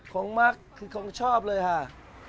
มักคือของชอบเลยค่ะ